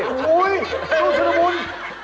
โอ๊ยจุดชุดบุญ